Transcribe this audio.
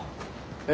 え